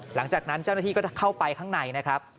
หลังจากนั้นเจ้าหน้าที่ก็จะเข้าไปข้างใน